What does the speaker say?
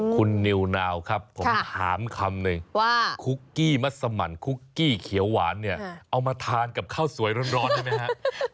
คุณนิวนาวครับผมถามคำนึงว่าคุกกี้มัสมันคุกกี้เขียวหวานเนี่ยเอามาทานกับข้าวสวยร้อนได้ไหมครับ